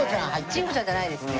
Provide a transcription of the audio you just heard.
しんごちゃんじゃないですね。